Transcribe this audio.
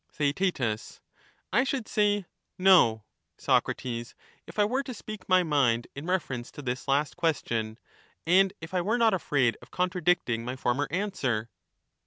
TheaeU I should say ' No,' Socrates, if I were to speak my mind in reference to this last question, and if I were not afraid of contradicting my former answer.